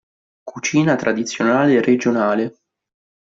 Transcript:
Cucina tradizionale regionale.